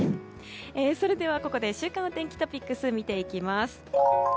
それではここで週間お天気トピックスを見ていきます。